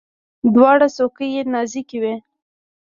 دواړه څوکي یې نازکې وي.